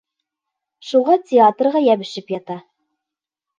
Шуға театрға йәбешеп ята!